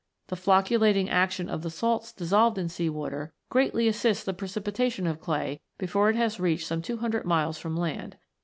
The flocculating action of the salts dissolved in sea water greatly assists the precipitation of clay before it has reached some two hundred miles from land.